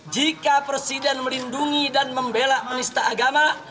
jika presiden melindungi dan membelak penista agama